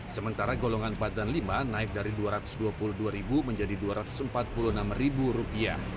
sementara golongan empat dan lima naik dari rp dua ratus dua puluh dua menjadi rp dua ratus empat puluh enam